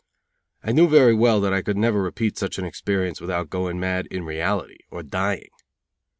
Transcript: I knew very well that I could never repeat such an experience without going mad in reality; or dying.